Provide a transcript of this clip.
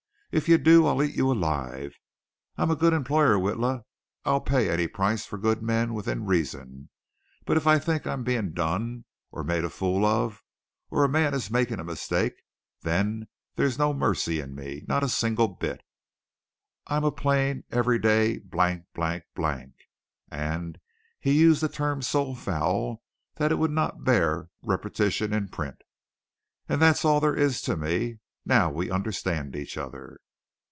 if you do, I'll eat you alive! I'm a good employer, Witla. I'll pay any price for good men, within reason, but if I think I'm being done, or made a fool of, or a man is making a mistake, then there's no mercy in me not a single bit. I'm a plain, everyday blank, blank, blank" (and he used a term so foul that it would not bear repetition in print), "and that's all there is to me. Now we understand each other."